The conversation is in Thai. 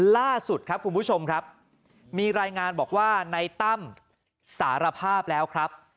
ล่าสุดครับคุณผู้ชมครับมีรายงานบอกว่าในตั้มสารภาพแล้วครับ